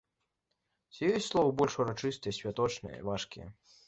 Ці ёсць словы больш урачыстыя, святочныя, важкія?